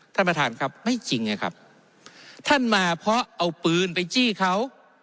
ท่านประธานครับไม่จริงไงครับท่านมาเพราะเอาปืนไปจี้เขา